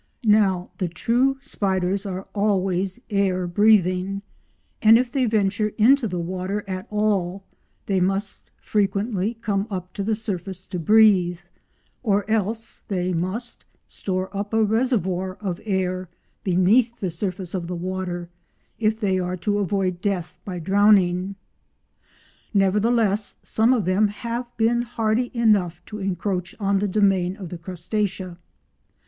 Now the true spiders are always air breathing, and if they venture into the water at all they must frequently come up to the surface to breathe, or else they must store up a reservoir of air beneath the surface of the water if they are to avoid death by drowning. Nevertheless some of them have been hardy enough to encroach on the domain of the Crustacea.